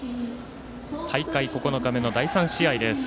大会９日目の第３試合です。